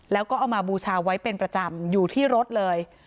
แล้วก็เอามาบูชาไว้เป็นประจำอยู่ที่รถเลย